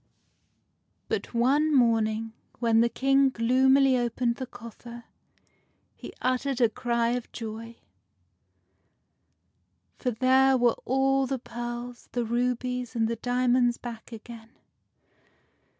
But one morn 38 THE FAIRY SPINNING WHEEL ing, when the King gloomily opened the coffer, he uttered a cry of joy; for there were all the pearls, the rubies, and the diamonds back again.